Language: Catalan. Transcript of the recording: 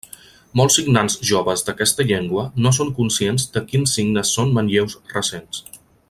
Molts signants joves d'aquesta llengua no són conscients de quins signes són manlleus recents.